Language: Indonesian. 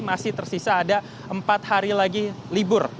masih tersisa ada empat hari lagi libur